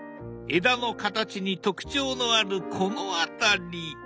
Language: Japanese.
枝の形に特徴のあるこの辺り。